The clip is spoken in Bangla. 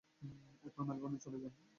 এরপর মেলবোর্নে চলে যান।